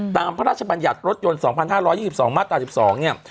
พระราชบัญญัติรถยนต์๒๕๒๒มาตรา๑๒เนี่ย